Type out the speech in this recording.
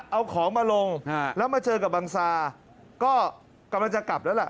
เอาของมาลงแล้วมาเจอกับบังซาก็กำลังจะกลับแล้วล่ะ